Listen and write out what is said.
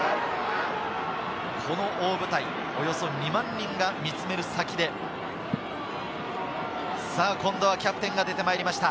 この大舞台、およそ２万人が見つめる先で今度はキャプテンが出てまいりました。